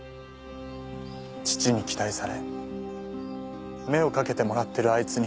父に期待され目をかけてもらってるあいつに。